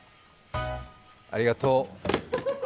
ありがとう。